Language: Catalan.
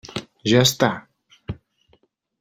Ja està!